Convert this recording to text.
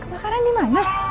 kebakaran di mana